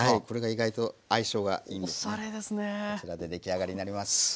これが意外と相性がいいんです。